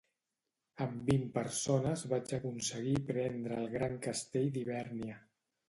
Amb vint persones vaig aconseguir prendre el gran castell d'Hivèrnia.